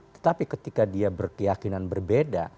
tetapi ketika dia berkeyakinan berbeda